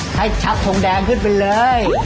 ชักทงแดงขึ้นไปเลย